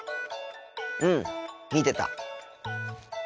うん見てた。